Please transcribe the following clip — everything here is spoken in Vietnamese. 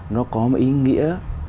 nó có một ý nghĩa